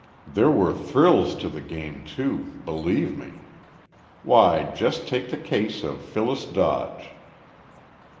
There were thrills to the game, too, believe me. "Why, just take the case of Phyllis Dodge...."